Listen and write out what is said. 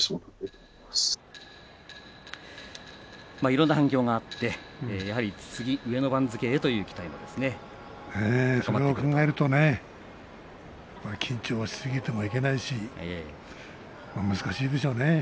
いろんな反響があってやはり次、上の番付へというそれを考えるとね緊張しすぎてもいけないし難しいでしょうね。